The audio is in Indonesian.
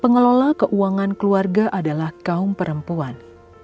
pengelola keuangan keluarga adalah kaum perempuan